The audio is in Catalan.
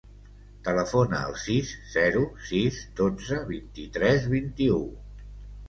Telefona al sis, zero, sis, dotze, vint-i-tres, vint-i-u.